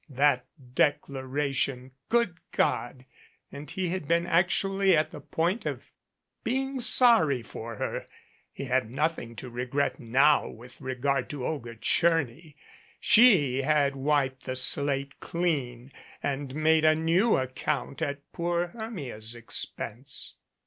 That declara tion Good God! and he had been actually at the point of being sorry for her. He had nothing to regret now with regard to Olga Tcherny. She had wiped the slate clean, and made a new account at poor Hermia's expense.